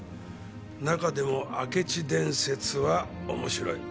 中でも明智伝説は面白い。